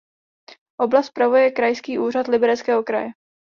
Oblast spravuje Krajský úřad Libereckého kraje.